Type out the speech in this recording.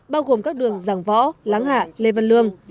bao gồm các đường giảng võ láng hạ lê văn lương